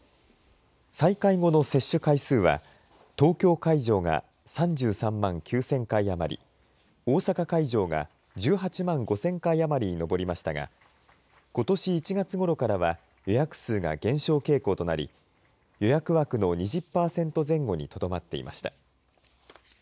再開後の接種回数は東京会場が３３万９０００回余り大阪会場が１８万５０００回余りに上りましたがことし１月ごろからは予約数が減少傾向となり予約枠の２０％前後にとどまっていました。